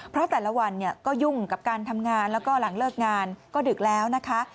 เพราะแต่ละวันเนี่ยก็ยุ่งกับการทำงานแล้วก็หลังเลิกงานก็ดึกแล้วนะคะ